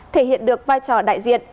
thể hiện được vai trò đại diện